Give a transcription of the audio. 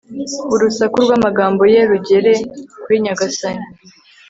urusaku rw'amagambo ye rugere kuri nyagasani